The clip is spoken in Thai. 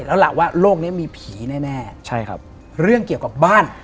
แล้วล่ะว่าโลกนี้มีผีแน่แน่ใช่ครับเรื่องเกี่ยวกับบ้าน